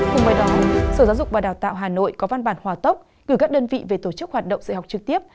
cùng với đó sở giáo dục và đào tạo hà nội có văn bản hòa tốc cử các đơn vị về tổ chức hoạt động dạy học trực tiếp